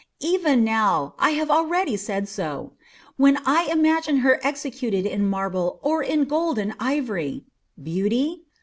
Even now I have already said so when I imagine her executed in marble or in gold and ivory! Beauty?